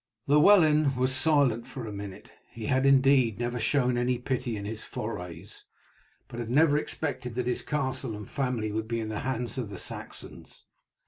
Llewellyn was silent for a minute. He had indeed never shown any pity in his forays, but had never expected that his castle and family would be in the hands of the Saxons.